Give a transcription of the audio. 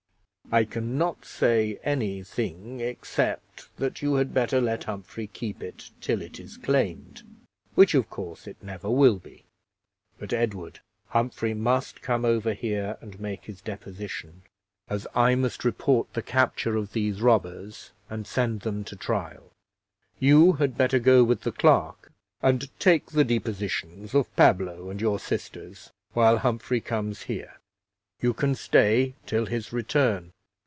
I can not say any thing, except that you had better let Humphrey keep it till it is claimed which, of course, it never will be. But, Edward, Humphrey must come over here and make his deposition, as I must report the capture of these robbers, and send them to trial. You had better go with the clerk and take the depositions of Pablo and your sisters, while Humphrey comes here. You can stay till his return.